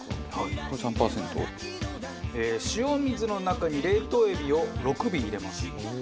塩水の中に冷凍エビを６尾入れます。